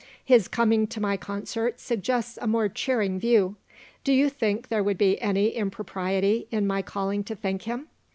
His coming to my concert suggests a more cheering view. Do you think there would be any impropriety in my calling to thank him?